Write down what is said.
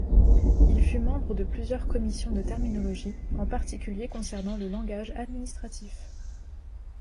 Il fut membre de plusieurs commissions de terminologie, en particulier concernant le langage administratif.